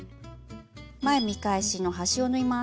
前見返しの端を縫います。